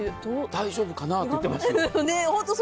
大丈夫かな？って言ってますよ。